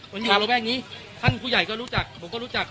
มันอยู่ระแวกนี้ท่านผู้ใหญ่ก็รู้จักผมก็รู้จัก